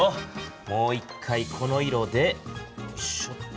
もう一回この色でよいしょっと。